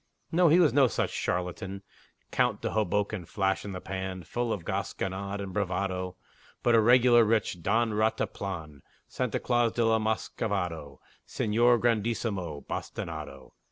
No, he was no such charlatan Count de Hoboken Flash in the pan, Full of gasconade and bravado But a regular, rich Don Rataplan, Santa Claus de la Muscovado, Señor Grandissimo Bastinado.